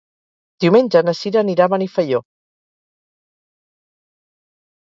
Diumenge na Cira anirà a Benifaió.